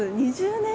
２０年